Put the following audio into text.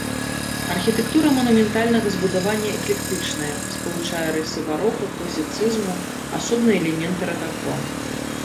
Архітэктура манументальнага збудавання эклектычная, спалучае рысы барока, класіцызму, асобныя элементы ракако.